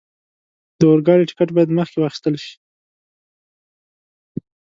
د اورګاډي ټکټ باید مخکې واخستل شي.